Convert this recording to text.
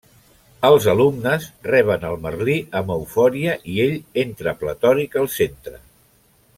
Els alumnes reben el Merlí amb eufòria i ell entra pletòric al centre.